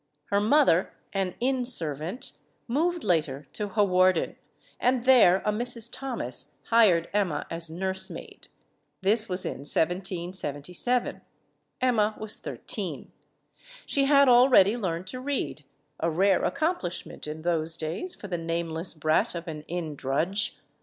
Her mother, an inn servant, moved later to Hawarden; and there a Mrs. Thomas hired Emma as nursemaid. This was in 1777. Emma was thirteen. She had already learned to read a rare accomplishment in those days for the nameless brat of an inn drudge.